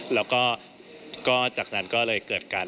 แล้วก็จากนั้นก็เลยเกิดการ